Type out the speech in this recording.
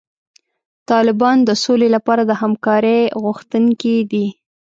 طالبان د سولې لپاره د همکارۍ غوښتونکي دي.